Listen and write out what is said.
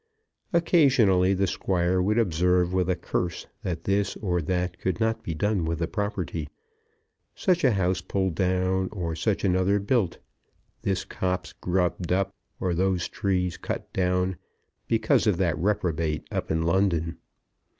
Occasionally the Squire would observe with a curse that this or that could not be done with the property, such a house pulled down, or such another built, this copse grupped up, or those trees cut down, because of that reprobate up in London.